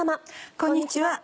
こんにちは。